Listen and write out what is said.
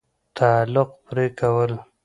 تعلق پرې كول